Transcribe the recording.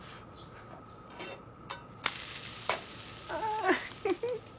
あフフッ。